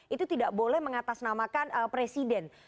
itu tidak boleh mengatasnamakan presiden